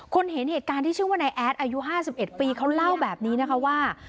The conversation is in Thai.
เห็นเหตุการณ์ที่ชื่อว่านายแอดอายุ๕๑ปีเขาเล่าแบบนี้นะคะว่า